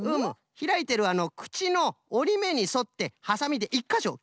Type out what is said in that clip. ひらいてるくちのおりめにそってはさみで１かしょきってごらん。